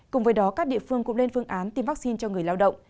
cùng với đó các địa phương cũng lên phương án tiêm vaccine cho người lao động